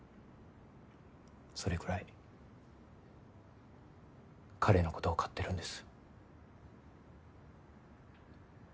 それくらい彼のことを買ってるんです。